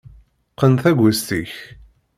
Qqen taggest-ik.